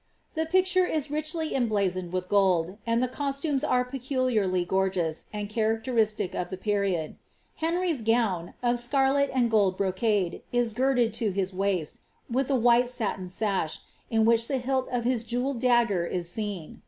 The picture is riciily emblazoned with gold, and the costumes are leculiarly gorgeous, and characteristic of the lime. Henry's gown, of tcmrlet and gold brocade, is girded to his waist, with a white satin sash, n which the hilt of his jewelled dagger is seen.